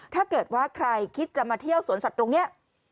ถ้าเกิดว่าใครคิดจะมาเที่ยวสวนสัตว์ตรงนี้